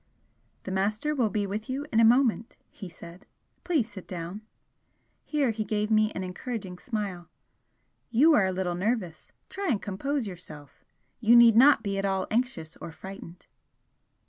"The Master will be with you in a moment," he said "Please sit down" here he gave me an encouraging smile "You are a little nervous try and compose yourself! You need not be at all anxious or frightened!"